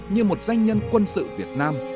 như một danh nhân quân sự việt nam